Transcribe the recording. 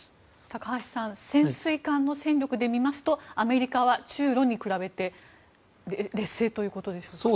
高橋さん潜水艦の戦力で見ますとアメリカは中ロに比べて劣勢ということですか。